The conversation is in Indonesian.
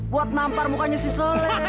buat nampar mukanya si soleh